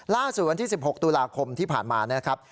ล่าสุดวันที่๑๖ตุลาคมที่ผ่านมานะครับ